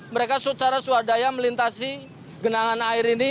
mereka secara swadaya melintasi genangan air ini